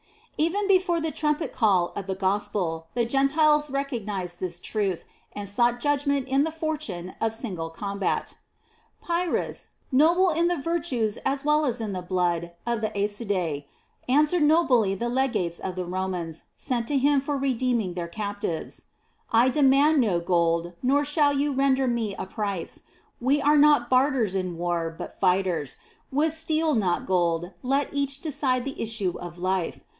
5. Even before the trumpet call of the Gospel, the Gentiles recognized this truth, and sought judgment in the fortune of single combat. Pyr rhus, noble in the virtues as well as in the blood of the Aeacidae, answered nobly the legates of the Romans sent to him for redeeming their captives :" I demand no gold, nor shall you render me a price ; we are not barterers in war, but fighters; with steel, not with gold, let each decide the issue of life.